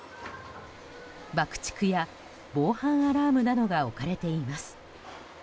爆竹や防犯アラームなどが置かれています。